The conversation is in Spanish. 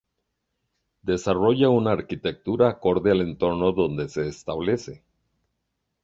Desarrolla una arquitectura acorde al entorno donde se establece.